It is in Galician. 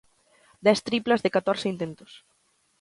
Dez triplas de catorce intentos.